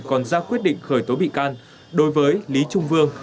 còn ra quyết định khởi tố bị can đối với lý trung vương